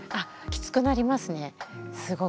きつくなりますねすごく。